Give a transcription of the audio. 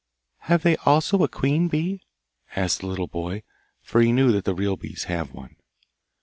'Have they also a queen bee?' asked the little boy, for he knew that the real bees have one.